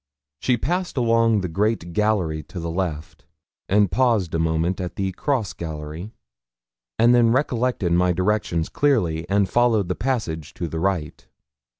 She passed along the great gallery to the left, and paused a moment at the cross gallery, and then recollected my directions clearly, and followed the passage to the right.